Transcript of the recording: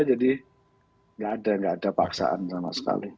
jadi tidak ada paksaan sama sekali